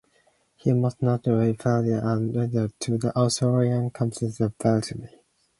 He most notably penned an alternative to the Australian Constitution Preamble.